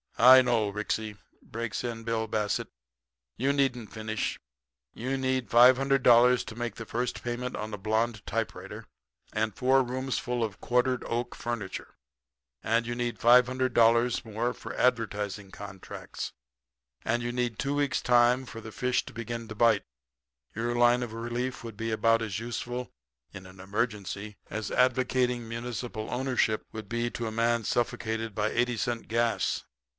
I ' "'I know, Ricksy,' breaks in Bill Bassett. 'You needn't finish. You need $500 to make the first payment on a blond typewriter, and four roomsful of quartered oak furniture. And you need $500 more for advertising contracts. And you need two weeks' time for the fish to begin to bite. Your line of relief would be about as useful in an emergency as advocating municipal ownership to cure a man suffocated by eighty cent gas.